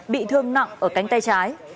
bị thương nặng ở cánh tay trái